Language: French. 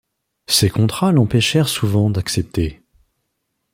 Ses contrats l'empêchèrent souvent d'accepter.